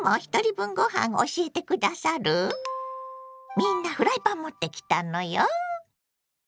みんなフライパン持ってきたのよ。